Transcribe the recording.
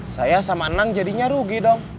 saya sama nang jadinya rugi dong